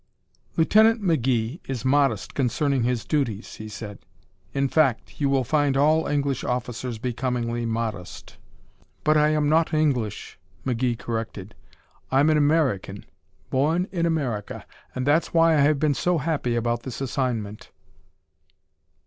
"Lieutenant McGee is modest concerning his duties," he said. "In fact, you will find all English officers becomingly modest." "But I am not English!" McGee corrected. "I am an American born in America, and that's why I have been so happy about this assignment."